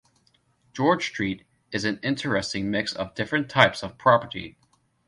George Street is an interesting mix of different types of property.